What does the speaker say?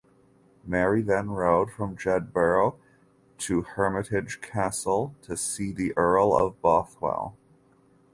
Mary then rode from Jedburgh to Hermitage Castle to see the Earl of Bothwell.